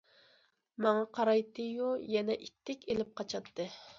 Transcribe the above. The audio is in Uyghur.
ماڭا قارايتتى- يۇ، يەنە ئىتتىك ئېلىپ قاچاتتى.